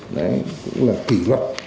đấy cũng là kỷ luật